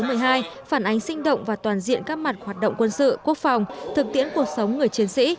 phản ánh sinh động và toàn diện các mặt hoạt động quân sự quốc phòng thực tiễn cuộc sống người chiến sĩ